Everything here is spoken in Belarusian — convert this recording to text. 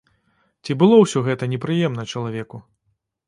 Ці было ўсё гэта непрыемна чалавеку?